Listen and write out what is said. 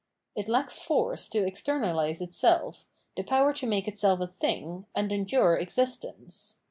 It lacks force to externalise itself, the power to make itself a thing, and endure existence.